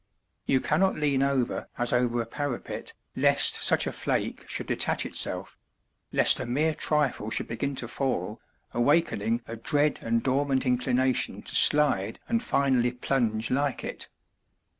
You cannot lean over as over a parapet, lest such a flake should detach itself lest a mere trifle should begin to fall, awakening a dread and dormant inclination to slide and finally plunge like it.